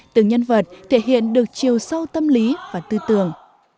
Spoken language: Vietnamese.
từng nhân vật thể hiện được chiều sâu tâm lý và tư tưởng